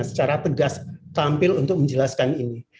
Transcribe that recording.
secara tegas tampil untuk menjelaskan ini